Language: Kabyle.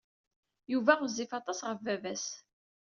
Yuba ɣezzif aṭas ɣef baba-s.